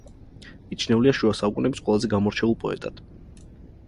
მიჩნეულია შუა საუკუნეების ყველაზე გამორჩეულ პოეტად.